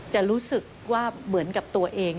จะรู้สึกว่าเหมือนกับตัวเอง